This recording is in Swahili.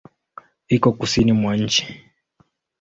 Iko kusini mwa nchi.